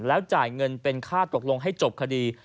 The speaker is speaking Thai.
แล้วจ่ายเงินเป็นค่าตกลงให้จบคดี